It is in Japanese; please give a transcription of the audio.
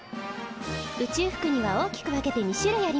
宇宙服には大きく分けて２種類あります。